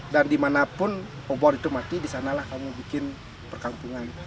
dan dimanapun obor itu mati disanalah kamu bikin perkampungan